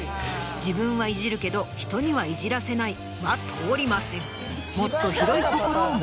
自分はいじるけど人にはいじらせないは通りません。